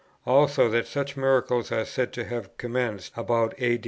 Also, that such miracles are said to have commenced about A.